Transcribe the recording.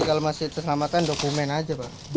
kalau masih terselamatan dokumen aja mbak